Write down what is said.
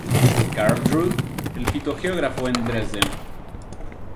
Carl Drude, el fitogeógrafo, en Dresden.